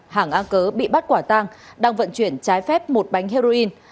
hàng a cớ bị bắt quả tang đang vận chuyển trái phép một bánh heroin